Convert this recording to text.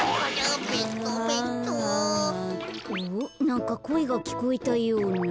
なんかこえがきこえたような。